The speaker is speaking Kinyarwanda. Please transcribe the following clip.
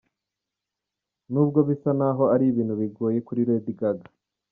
N’ubwo bisa naho ari ibintu bigoye kuri Lady Gaga.